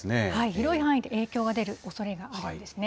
広い範囲で影響が出るおそれがあるんですね。